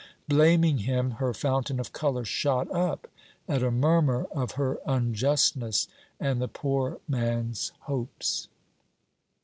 Blaming him, her fountain of colour shot up, at a murmur of her unjustness and the poor man's hopes.